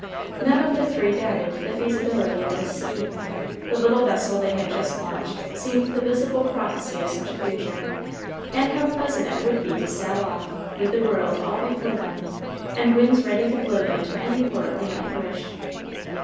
None of the three doubted the feasibility of this scheme; the little vessel they had just launched seemed the visible prophecy of such a future; and how pleasant it would be to sail off, with the world all before them, and winds ready to blow them to any port they might wish!